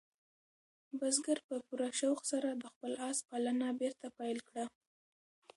بزګر په پوره شوق سره د خپل آس پالنه بېرته پیل کړه.